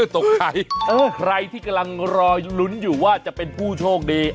ตกใจใครที่กำลังรอลุ้นอยู่ว่าจะเป็นผู้โชคดี